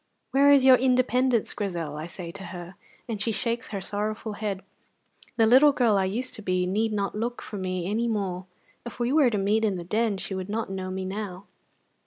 'Where is your independence, Grizel?' I say to her, and she shakes her sorrowful head. The little girl I used to be need not look for me any more; if we were to meet in the Den she would not know me now."